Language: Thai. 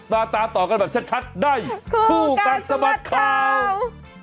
มาตาต่อกันแบบชัดได้คู่กันสมัครข่าว